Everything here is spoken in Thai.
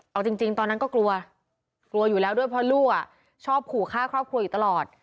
เอาจริงตอนนั้นก็กลัวกลัวอยู่แล้วด้วยเพราะลูกชอบขู่ฆ่าครอบครัวอยู่ตลอด